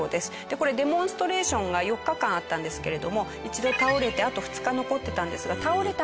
これデモンストレーションが４日間あったんですけれども一度倒れてあと２日残ってたんですが倒れた